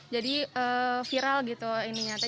jadi viral gitu ini nyata